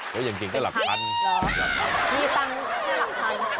จริงแค่หลักพันธุ์